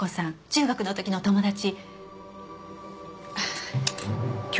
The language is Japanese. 中学の時の友達。